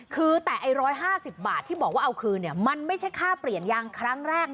คือแต่ไอ้๑๕๐บาทที่บอกว่าเอาคืนมันไม่ใช่ค่าเปลี่ยนยางครั้งแรก